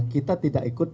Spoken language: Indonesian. kita tidak ikut